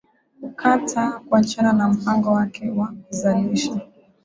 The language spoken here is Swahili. kukataa kuachana na mpango wake wa kuzalisha